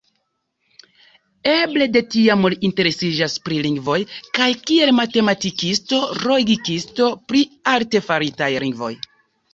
Eble de tiam li interesiĝis pri lingvoj kaj, kiel matematikisto-logikisto, pri artefaritaj lingvoj.